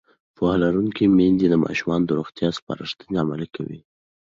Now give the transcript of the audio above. پوهه لرونکې میندې د ماشومانو د روغتیا سپارښتنې عملي کوي.